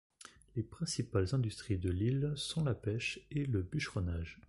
Les principales industries de l'île sont la pêche et le bûcheronnage.